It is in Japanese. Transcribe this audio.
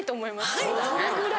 はい。